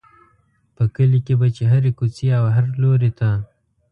په کلي کې به چې هرې کوڅې او هر لوري ته ته.